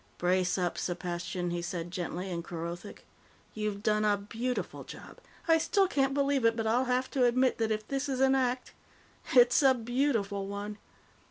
"Brace up, Sepastian," he said gently in Kerothic. "You've done a beautiful job. I still can't believe it, but I'll have to admit that if this is an act it's a beautiful one."